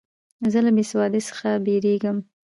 زه له بېسوادۍ څخه بېریږم.